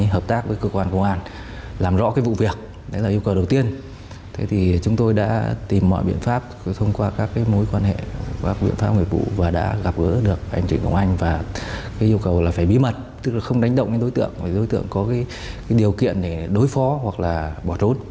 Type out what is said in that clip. hợp tác với cơ quan công an làm rõ cái vụ việc đấy là yêu cầu đầu tiên thế thì chúng tôi đã tìm mọi biện pháp thông qua các cái mối quan hệ các biện pháp người vụ và đã gặp gỡ được anh trịnh hồ anh và cái yêu cầu là phải bí mật tức là không đánh động đến đối tượng đối tượng có cái điều kiện để đối phó hoặc là bỏ trốn